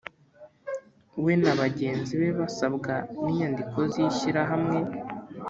We na bagenzi be basabwa n’inyandiko z’ishyirahamwe